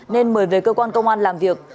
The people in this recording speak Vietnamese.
nên mời về cơ quan công an làm việc